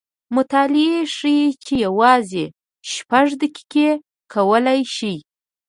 مطالعې ښیې چې یوازې شپږ دقیقې کولی شي